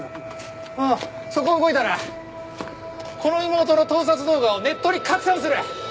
ああそこを動いたらこの妹の盗撮動画をネットに拡散する！